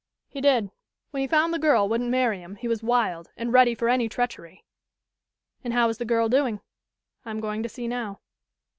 "He did. When he found the girl wouldn't marry him, he was wild and ready for any treachery." "And how is the girl doing?" "I am going to see now."